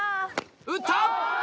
打った！